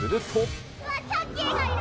チャッキーがいる。